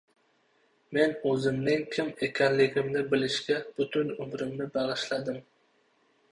• Men o‘zimning kim ekanligimni bilishga butun umrimni bag‘ishladim.